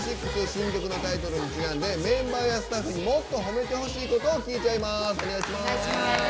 新曲のタイトルにちなんでメンバーやスタッフにもっと褒めてほしいことを聞いちゃいます。